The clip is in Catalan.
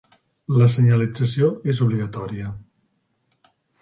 La senyalització és obligatòria.